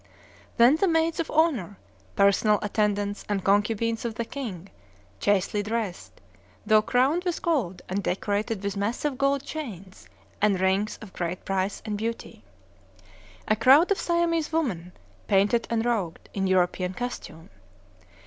Then the maids of honor, personal attendants, and concubines of the king, chastely dressed, though crowned with gold, and decorated with massive gold chains and rings of great price and beauty. A crowd of Siamese women, painted and rouged, in European costume.